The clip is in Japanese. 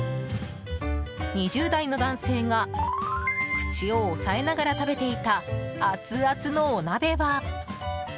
２０代の男性が口を押さえながら食べていたアツアツのお鍋は。